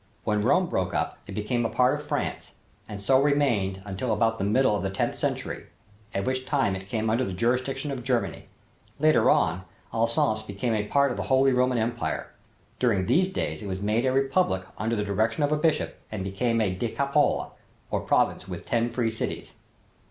When Rome broke up it became a part of France, and so remained until about the middle of the tenth century, at which time it came under the jurisdiction of Germany. Later on Alsace became a part of the Holy Roman Empire. During these days it was made a republic under the direction of a bishop and became a decapole, or province with ten free cities.